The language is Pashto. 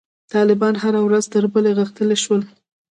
طالبان هره ورځ تر بلې غښتلي شول.